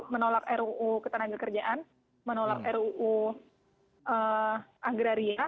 menolak ruu ketenagakerjaan menolak ruu agraria